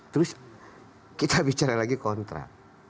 terus kita bicara lagi kontra